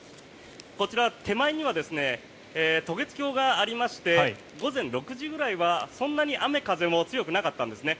こちら、手前には渡月橋がありまして午前６時ぐらいはそんなに雨風も強くなかったんですね。